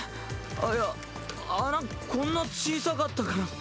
あっいや穴こんな小さかったかな？